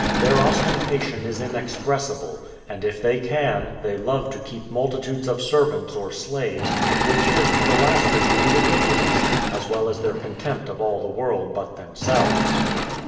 Their ostentation is inexpressible; and, if they can, they love to keep multitudes of servants or slaves, which is to the last degree ridiculous, as well as their contempt of all the world but themselves.